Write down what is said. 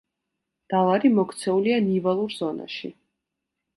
დალარი მოქცეულია ნივალურ ზონაში.